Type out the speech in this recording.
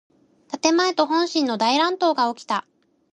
建前と本心の大乱闘がおきた。